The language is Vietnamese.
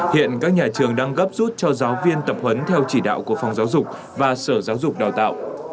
hiện các nhà trường đang gấp rút cho giáo viên tập huấn theo chỉ đạo của phòng giáo dục và sở giáo dục đào tạo